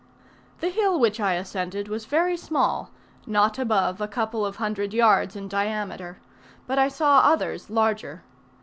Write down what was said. The hill which I ascended was very small, not above a couple of hundred yards in diameter; but I saw others larger.